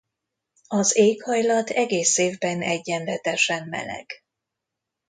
Az éghajlat egész évben egyenletesen meleg.